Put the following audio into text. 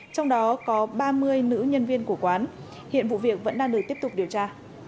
trong đó có ba mươi nữ nhân viên của quán hiện vụ việc vẫn đang được tiếp tục điều tra